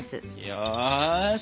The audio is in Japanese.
よし。